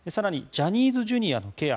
ジャニーズＪｒ．のケア。